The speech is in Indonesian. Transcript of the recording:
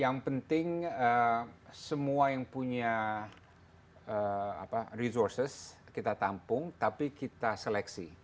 yang penting semua yang punya resources kita tampung tapi kita seleksi